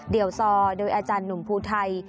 เดี๋ยวซอโดยอาจารย์หนุ่มภูไทย